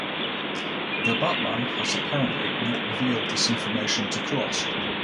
The Batman has apparently not revealed this information to Cross.